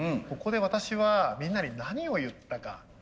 ここで私はみんなに何を言ったか。